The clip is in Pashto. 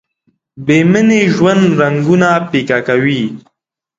بې مینې ژوند رنګونه پیکه کوي.